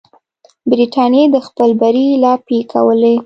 برټانیې د خپل بری لاپې کولې.